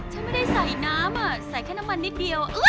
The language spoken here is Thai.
ฉันไม่ได้ใส่น้ำใส่แค่น้ำมันนิดเดียว